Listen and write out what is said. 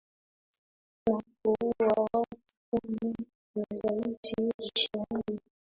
na kuua watu kumi na zaidi ishirini